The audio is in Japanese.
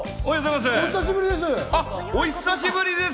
お久しぶりです。